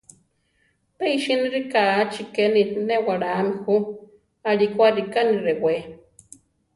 Pe isíni rikáchi keni newalámi ju; alíko arika ni rewé.